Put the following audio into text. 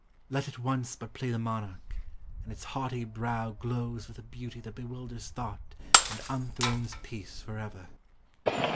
Let it once But play the monarch, and its haughty brow Glows with a beauty that bewilders thought And unthrones peace forever.